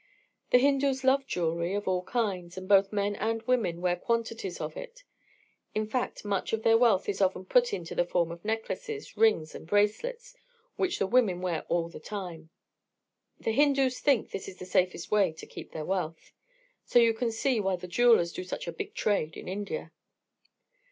The Hindus love jewelry of all kinds, and both men and women wear quantities of it. In fact much of their wealth is often put into the form of necklaces, rings, and bracelets, which the women wear all the time. The Hindus think this is the safest way to keep their wealth. So you see why the jewellers do such a big trade in India.